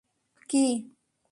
ওহ, কী?